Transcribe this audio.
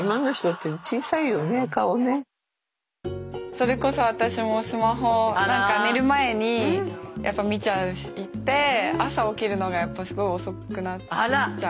それこそ私もスマホを何か寝る前にやっぱ見ちゃって朝起きるのがやっぱすごい遅くなっちゃう。